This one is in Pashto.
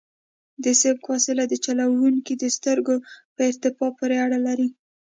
د سبقت فاصله د چلوونکي د سترګو په ارتفاع پورې اړه لري